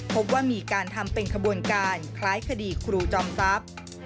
พบว่ามีการทำเป็นขบวนการคล้ายคดีครูจอมทรัพย์